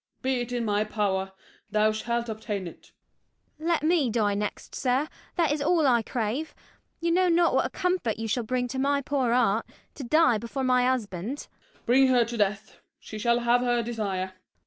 be it in my power, Thou shalt obtain it. DOLL. Let me die next, sir; that is all I crave: You know not what a comfort you shall bring To my poor heart, to die before my husband. SHERIFF. Bring her to death; she shall have her desire.